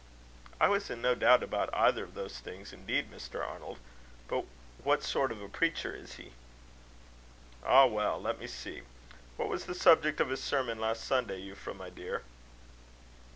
"I was in no doubt about either of those things, indeed, Mr. Arnold. But what sort of a preacher is he?" "Ah, well! let me see. What was the subject of his sermon last Sunday, Euphra, my dear?"